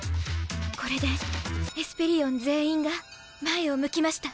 これでエスペリオン全員が前を向きました。